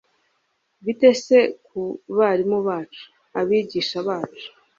bite se ku barimu bacu? abigisha bacu